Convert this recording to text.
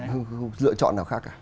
không có một cái lựa chọn nào khác cả